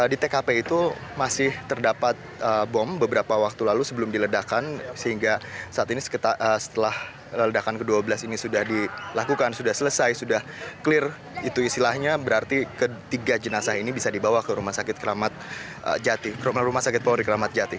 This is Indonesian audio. di tkp itu masih terdapat bom beberapa waktu lalu sebelum diledakan sehingga saat ini setelah ledakan ke dua belas ini sudah dilakukan sudah selesai sudah clear itu istilahnya berarti ketiga jenazah ini bisa dibawa ke rumah sakit polri kramat jati